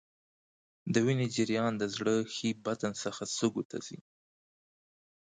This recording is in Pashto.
د وینې جریان د زړه ښي بطن څخه سږو ته ځي.